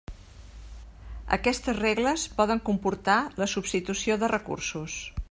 Aquestes regles poden comportar la substitució de recursos.